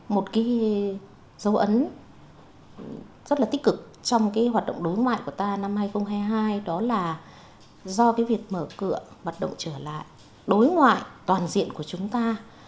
một cái dấu ấn rất là tích cực trong cái hoạt động đối ngoại của ta năm hai nghìn hai mươi hai đó là do cái việc mở cửa hoạt động trở lại đối ngoại toàn diện của chúng ta